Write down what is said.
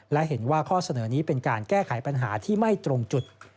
และเห็นว่าข้อเสนอนี้เป็นการแก้ไขปัญหาที่ไม่ตรงจุด